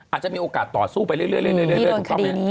อาจจะมีโอกาสต่อสู้ไปเรื่อยถูกต้องไหม